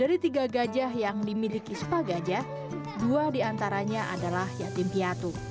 dari tiga gajah yang dimiliki spa gajah dua diantaranya adalah yatim piatu